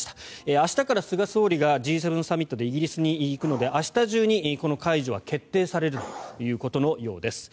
明日から菅総理がＧ７サミットでイギリスに行くので明日中にこの解除は決定されるということのようです。